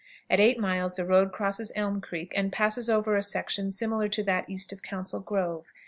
At eight miles the road crosses Elm Creek, and passes over a section similar to that east of Council Grove.